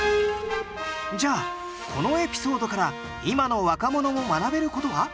じゃあこのエピソードから今の若者も学べる事は？